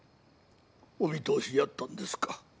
お見通しやったんですか。